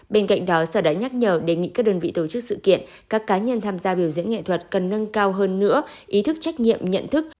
bên cạnh đó sở đã nhắc nhở đề nghị các đơn vị tổ chức sự kiện các cá nhân tham gia biểu diễn nghệ thuật cần nâng cao hơn nữa ý thức trách nhiệm nhận thức